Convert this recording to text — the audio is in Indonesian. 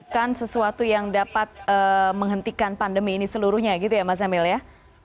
bukan sesuatu yang dapat menghentikan pandemi ini seluruhnya gitu ya mas emil ya